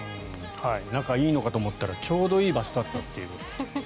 仲がいいのかと思ったらちょうどいい場所だったっていうことです。